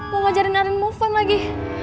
mau ngajarin arin move on lagi